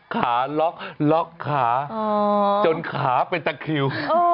ขาล็อกล็อกขาจนขาเป็นตะคิว